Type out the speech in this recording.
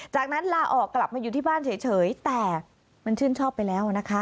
จากนั้นลาออกกลับมาอยู่ที่บ้านเฉยแต่มันชื่นชอบไปแล้วนะคะ